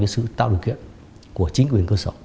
sự tạo điều kiện của chính quyền cơ sở